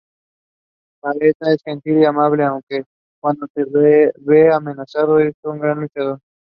A separate team event was also played.